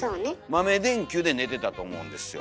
豆電球で寝てたと思うんですよ。